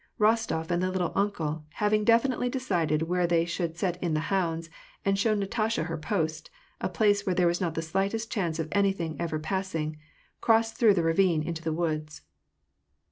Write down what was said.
llostof and the "little uncle" having definitely decided where they should set in the hounds, and shown Natasha her post, a place where there was not the slightest chance of anything ever passing, crossed through a ravine into the woods.